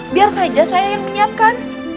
biar saja saya yang menyiapkan